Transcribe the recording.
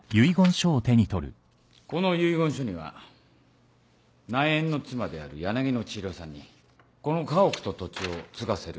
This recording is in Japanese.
この遺言書には「内縁の妻である柳野千尋さんにこの家屋と土地を継がせる」